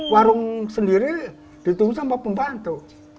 warung sendiri ditunggu sama pembantu